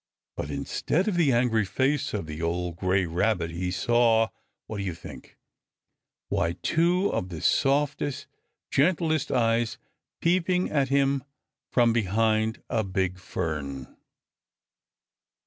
But instead of the angry face of the old gray Rabbit he saw what do you think? Why, two of the softest, gentlest eyes peeping at him from behind a big fern.